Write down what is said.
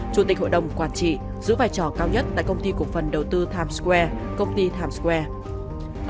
chủ tịch hội đồng quản trị giữ vai trò cao nhất tại công ty cổ phần đầu tư times square công ty times square